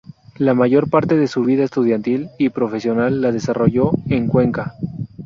La mayor parte de su vida estudiantil y profesional la desarrolló en Cuenca.